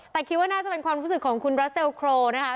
แต่คิดว่าน่าจะเป็นความรู้สึกของคุณรัสเซลโครนะคะ